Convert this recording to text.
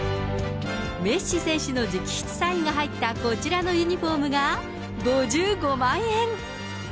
メッシ選手の直筆サインが入ったこちらのユニホームが５５万円。